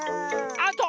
あと！